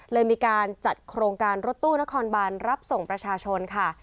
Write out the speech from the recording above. เลยมีการจัดโครงการรถตู้นครบานรับส่งประชาชนค่ะ